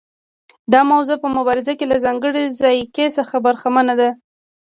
دا موضوع په مبارزه کې له ځانګړي ځایګي څخه برخمنه ده.